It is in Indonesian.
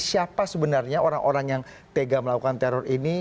siapa sebenarnya orang orang yang tega melakukan teror ini